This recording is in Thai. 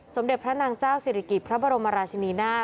สมเด็จพระนางเจ้าศิริกิจพระบรมราชินีนาฏ